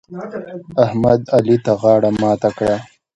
احمد؛ علي ته غاړه ماته کړه.